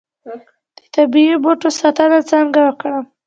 د طبیعي بوټو ساتنه څنګه وکړم؟